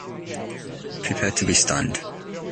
Prepare to be stunned.